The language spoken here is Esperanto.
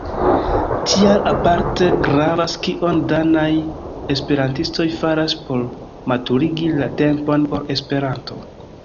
Tial aparte gravas kion danaj esperantistoj faras por maturigi la tempon por Esperanto.